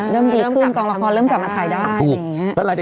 เริ่มดีขึ้นกองละครเริ่มกลับมาถ่ายได้